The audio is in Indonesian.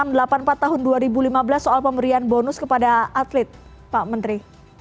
dan enam delapan empat tahun dua ribu lima belas soal pemberian bonus kepada atlet pak menteri